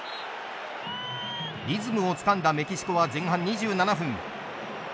リズムをつかんだメキシコは前半２７分。